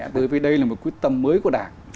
bởi vì đây là một quyết tâm mới của đảng